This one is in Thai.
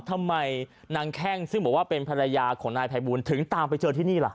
ทำไมนางแข้งซึ่งบอกว่าเป็นภรรยาของนายภัยบูลถึงตามไปเจอที่นี่ล่ะ